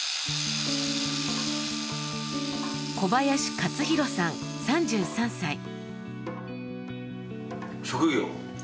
小林勝宗さん、３３歳。